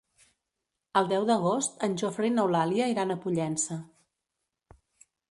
El deu d'agost en Jofre i n'Eulàlia iran a Pollença.